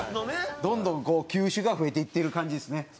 どんどん球種が増えていってる感じですね。